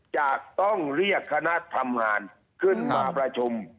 จะต้องเรียกคณะทำงานขึ้นมาประชุม